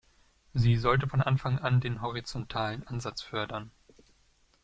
Sie sollte von Anfang an den horizontalen Ansatz fördern.